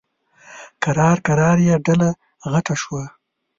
کرار کرار یې ډله غټه شوه.